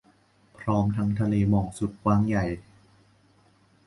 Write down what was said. พร้อมทั้งทะเลหมอกสุดกว้างใหญ่